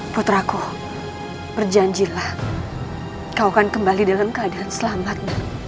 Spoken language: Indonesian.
puter aku berjanjilah kau akan kembali dalam keadaan selamat